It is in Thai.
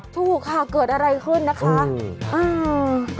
ถูกค่ะเกิดอะไรขึ้นนะคะ